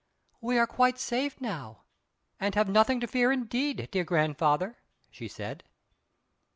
"We are quite safe now, and have nothing to fear indeed, dear grandfather," she said.